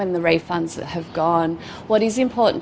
ketika hutang yang telah dilakukan